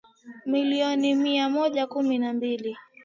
milioni mia moja kumi mbili